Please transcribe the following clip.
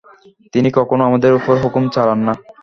তিনি কখনও আমাদের উপর হুকুম চালান না।